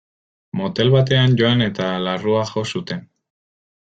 Motel batean joan eta larrua jo zuten.